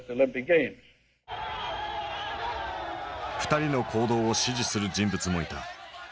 ２人の行動を支持する人物もいた。